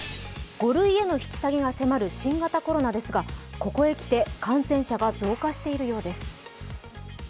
５類への引き下げが迫る新型コロナですが、ここへきて感染者が増加しているようです。